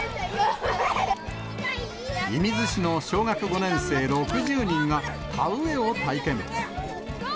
射水市の小学５年生６０人が、田植えを体験。